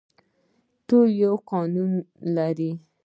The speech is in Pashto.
ټول یو قانون لري